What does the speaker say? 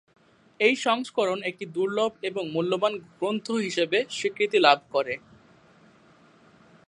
এই সংস্করণ একটি দুর্লভ এবং মূল্যবান গ্রন্থ হিসেবে স্বীকৃতি লাভ করে।